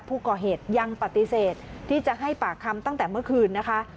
ผู้ก่อเหตุยังปฏิเสธที่จะให้ปากคำตั้งแต่เมื่อคืนนะคะ